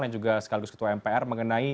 yang juga sekaligus ketua mpr mengenai